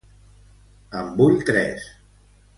En vull tres